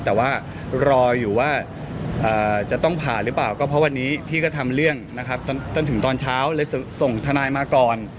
แต่ว่ารออยู่ว่าจะต้องผ่าหรือเปล่าก็เพราะวันนี้พี่ก็ทำเรื่องนะครับจนถึงตอนเช้าเลยส่งทนายมาก่อน